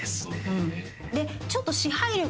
でちょっと。